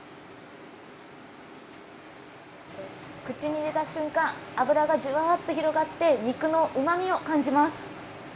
口に入れた瞬間、脂がじゅわーっと広がって、肉のうまみを感じます。